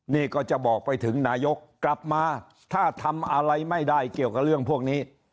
นี่ก็จะบอกไปถึงนายกกลับมาถ้าทำอะไรไม่ได้เกี่ยวกับเรื่องพวกนี้